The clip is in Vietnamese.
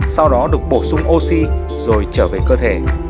sau đó được bổ sung oxy rồi trở về cơ thể